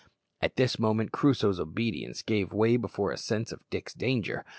At this moment Crusoe's obedience gave way before a sense of Dick's danger.